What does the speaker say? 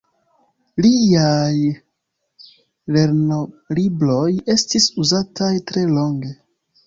Liaj lernolibroj estis uzataj tre longe.